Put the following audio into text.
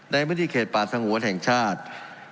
ในบริเวณที่เคลียดปราศังหวันแห่งชาติ